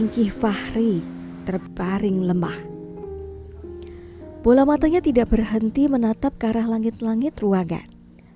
di fahri terbaring lemah bola matanya tidak berhenti menatap ke arah langit langit ruangan